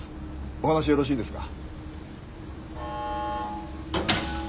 お話よろしいですか？